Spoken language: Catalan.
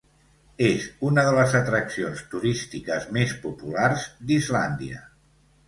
És una de les atraccions turístiques més populars d'Islàndia.